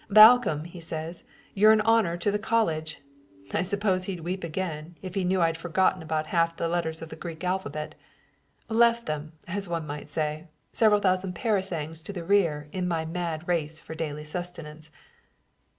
'Balcomb,' he says, 'you're an honor to the college.' I suppose he'd weep again, if he knew I'd only forgotten about half the letters of the Greek alphabet, left them, as one might say, several thousand parasangs to the rear in my mad race for daily sustenance.